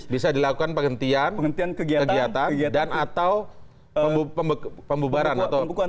bisa dilakukan penghentian kegiatan dan atau pembubaran atau